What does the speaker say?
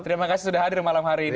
terima kasih sudah hadir malam hari ini